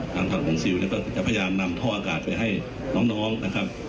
ทางฝั่งของซิลเนี่ยก็จะพยายามนำท่ออากาศไปให้น้องนะครับ